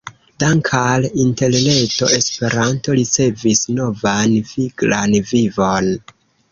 Dank’ al Interreto Esperanto ricevis novan viglan vivon.